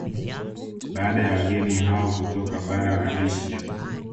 Baada ya wageni hao kutoka bara la Asia